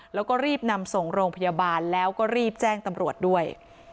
แล้วก็รีบนำส่งโรงพยาบาลแล้วก็รีบแจ้งตำรวจด้วย